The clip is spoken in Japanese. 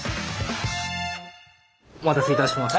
お待たせいたしました。